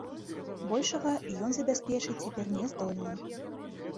Большага ён забяспечыць цяпер не здольны.